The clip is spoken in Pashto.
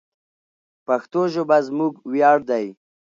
پښتو ژبه زموږ ویاړ دی.